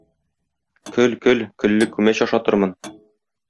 Көл, көл, көлле күмәч ашатырмын.